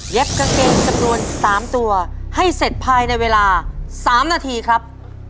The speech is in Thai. กางเกงจำนวน๓ตัวให้เสร็จภายในเวลา๓นาทีครับ